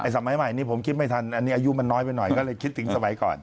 สมัยใหม่นี้ผมคิดไม่ทันอันนี้อายุมันน้อยไปหน่อยก็เลยคิดถึงสมัยก่อน